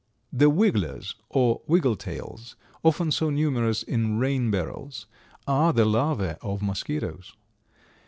The Wigglers or Wiggle tails, often so numerous in rain barrels, are the larvæ of mosquitoes.